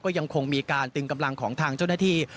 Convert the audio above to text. ยังคงมีการตึงกำลังของทางเจ้าหน้าที่